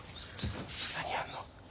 何やんの？